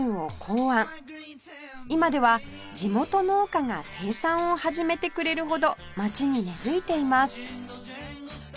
今では地元農家が生産を始めてくれるほど街に根付いています